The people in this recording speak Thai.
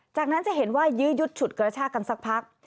จากนั้นจะเห็นว่ายื้อยุดฉุดกระชากันสักพัก